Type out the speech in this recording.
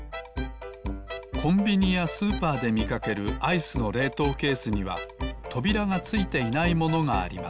コンビニやスーパーでみかけるアイスのれいとうケースにはとびらがついていないものがあります